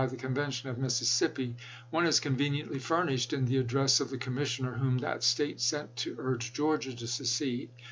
the convention of Mississippi, one is conveniently furnished in the address of the commissioner whom that State sent to urge Georgia to secede.